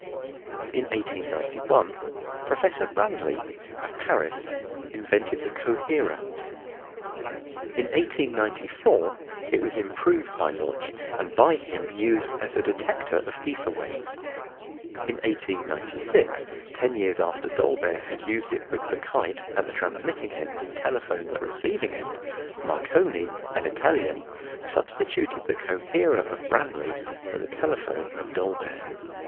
In 1891 Professor Branly of Paris invented the coherer. In 1894 it was improved by Lodge and by him used as a detector of ether waves. In 1896, ten years after Dolbear had used it with the kite at the transmitting end and telephone at the receiving end, Marconi, an Italian, substituted the coherer of Branly for the telephone of Dolbear.